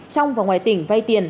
trong và ngoài tỉnh vay tiền